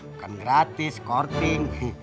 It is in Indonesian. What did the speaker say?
bukan gratis korting